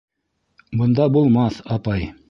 Бында булмаҫ, апай.